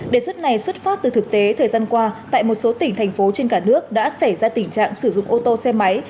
đề xuất này xuất phát từ thực tế thời gian qua tại một số tỉnh thành phố trên cả nước đã xảy ra tình trạng sử dụng ô tô xe máy